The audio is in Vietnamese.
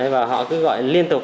và họ cứ gọi liên tục